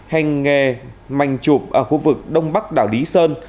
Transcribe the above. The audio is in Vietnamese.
hành nghề mảnh chụp ở khu vực đông bắc đảo lý sơn